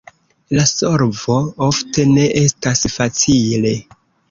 La solvo ofte ne estas facila.